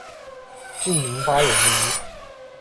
竟陵八友之一。